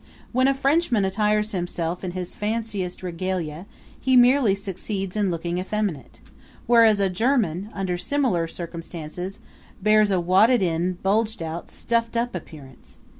When a Frenchman attires himself in his fanciest regalia he merely succeeds in looking effeminate; whereas a German, under similar circumstances, bears a wadded in, bulged out, stuffed up appearance.